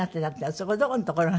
そこはどこのところが？